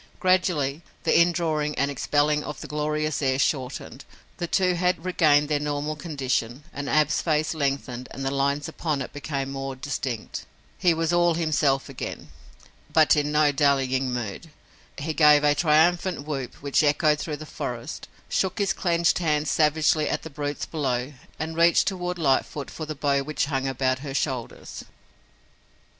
Gradually, the indrawing and expelling of the glorious air shortened. The two had regained their normal condition and Ab's face lengthened and the lines upon it became more distinct. He was all himself again, but in no dallying mood. He gave a triumphant whoop which echoed through the forest, shook his clenched hand savagely at the brutes below and reached toward Lightfoot for the bow which hung about her shoulders.